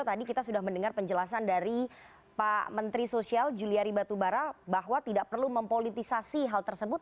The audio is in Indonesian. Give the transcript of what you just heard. tadi kita sudah mendengar penjelasan dari pak menteri sosial juliari batubara bahwa tidak perlu mempolitisasi hal tersebut